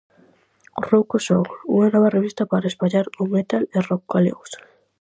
"Rouco son", unha nova revista para espallar o metal e rock galegos.